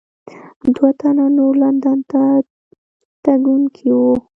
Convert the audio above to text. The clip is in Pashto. دوه تنه نور لندن ته تګونکي وو.